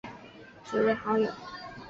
两人前往蜜桃姐姐徐荔枝并结为好友。